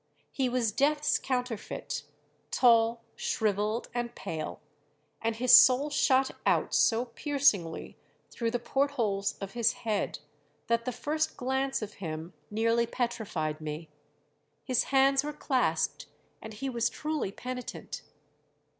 "He was death's counterfeit, tall, shrivelled, and pale; and his soul shot out so piercingly through the port holes of his head, that the first glance of him nearly petrified me.... His hands were clasped, and he was truly penitent.